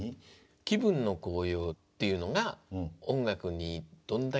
気分の高揚っていうのが音楽にどんだけ。